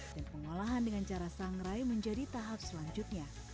dan pengolahan dengan cara sangrai menjadi tahap selanjutnya